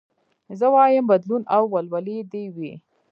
زه وايم بدلون او ولولې دي وي